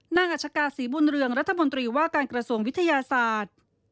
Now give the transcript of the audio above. อัชกาศรีบุญเรืองรัฐมนตรีว่าการกระทรวงวิทยาศาสตร์